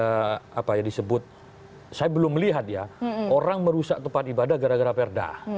karena tadi ada apa ya disebut saya belum melihat ya orang merusak tempat ibadah gara gara perda